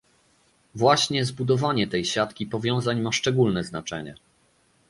Właśnie zbudowanie tej siatki powiązań ma szczególne znaczenie